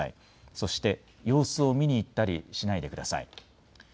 そして様子を見に行ったりしないでください。